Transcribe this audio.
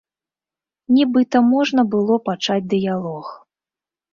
Нібыта можна было пачаць дыялог.